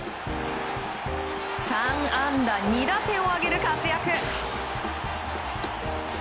３安打２打点を挙げる活躍。